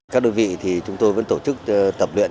các đơn vị thì chúng tôi vẫn tổ chức tập luyện